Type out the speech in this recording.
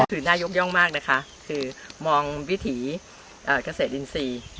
คือน่ายกย่องมากนะคะคือมองวิถีเกษตรอินทรีย์